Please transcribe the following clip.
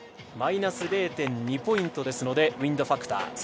マイナス０．２ポイントですので、ウインドファクター。